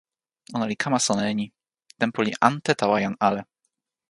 ona li kama sona e ni: tenpo li ante tawa jan ale.